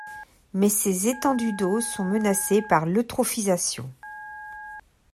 Mais ces étendues d’eau sont menacées par l’eutrophisation.